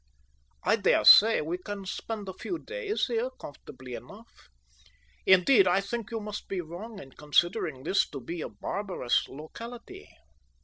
I dare say we can spend a few days here comfortably enough. Indeed, I think you must be wrong in considering this to be a barbarous locality.